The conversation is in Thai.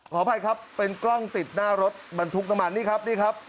ขออภัยครับเป็นกล้องติดหน้ารถบรรทุกน่ะมานี่ครับ